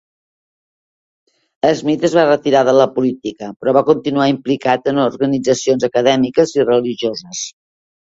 Smith es va retirar de la política, però va continuar implicat en organitzacions acadèmiques i religioses.